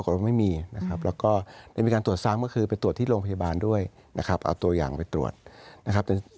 แล้วก็ในวิการตรวจสร้างก็คือไปตรวจที่โรงพยาบาลด้วยนะครับเอาตัวอย่างไปตรวจนะครับ